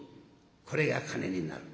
これが金になる」。